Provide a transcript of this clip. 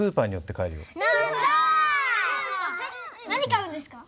何買うんですか？